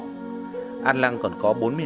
cả hai đều có tường thành bao bọc